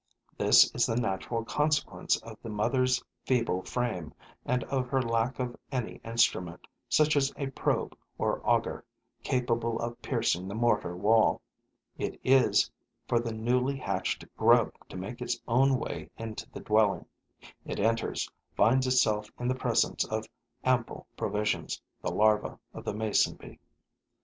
This is the natural consequence of the mother's feeble frame and of her lack of any instrument, such as a probe or auger, capable of piercing the mortar wall. It is for the newly hatched grub to make its own way into the dwelling. It enters, finds itself in the presence of ample provisions, the larva of the mason bee.